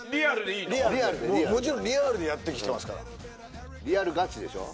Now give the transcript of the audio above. もちろんリアルでやってきてますからリアルガチでしょ？